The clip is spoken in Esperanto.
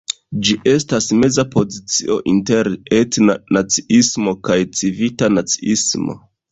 Ĝi estas meza pozicio inter etna naciismo kaj civita naciismo.